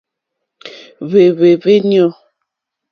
Hwɛ́hwɛ̂hwɛ́ ɲû.